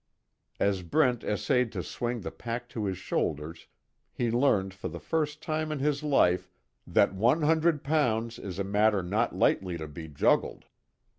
As Brent essayed to swing the pack to his shoulders he learned for the first time in his life that one hundred pounds is a matter not lightly to be juggled.